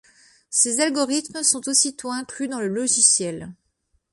Ses algorithmes sont aussitôt inclus dans le logiciel.